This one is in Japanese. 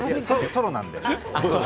ソロなんでね。